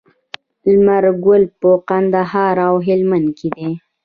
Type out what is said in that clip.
لمر ګل په کندهار او هلمند کې دی.